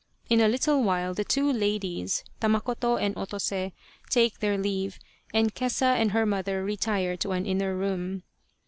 In a little while the two ladies, Tamakoto and Otose, take their leave, and Kesa and her mother retire to an inner room.